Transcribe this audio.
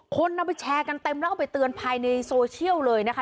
คนเอาไปแชร์กันเต็มแล้วก็ไปเตือนภายในโซเชียลเลยนะคะ